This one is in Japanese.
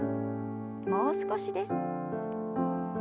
もう少しです。